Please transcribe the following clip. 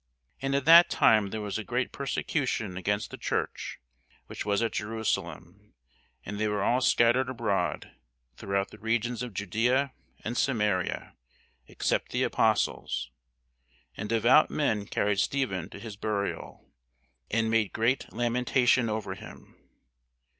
And at that time there was a great persecution against the church which was at Jerusalem; and they were all scattered abroad throughout the regions of Judæa and Samaria, except the apostles. And devout men carried Stephen to his burial, and made great lamentation over him.